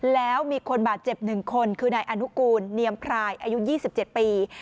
แล้วมีคนบาดเจ็บหนึ่งคนคือนายอนุกูลเนียมพลายอายุยี่สิบเจ็ดปี